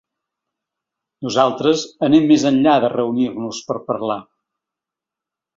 Nosaltres anem més enllà de reunir-nos per parlar.